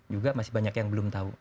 juga masih banyak yang belum tahu